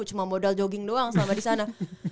cuma modal jogging doang sama di sana